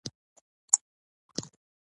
د افغانستان په شرقي سیمو کې پاته شوي.